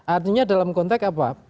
artinya dalam konteks apa